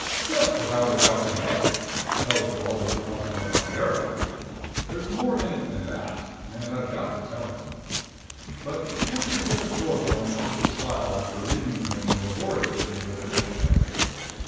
'Yes, without a doubt you must,'" tells you all that you want to know about Meredith. There's more in it than that. And I've got to tell him. But fancy holding forth on an author's style after reading him laboriously with a dictionary!